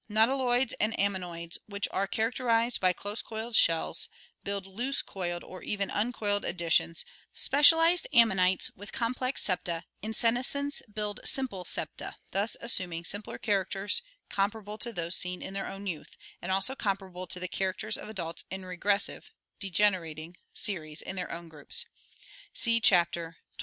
Nautiloids and ammonoids, which are characterized by close coiled shells, build loose coiled or even uncoiled additions; spe cialized Ammonites, with complex septa, in senescence build simple septa, thus assuming simpler characters comparable to those seen in their own youth, and also comparable to the characters of adults in regressive (degenerating) series in their own groups (see Chapter XXVI).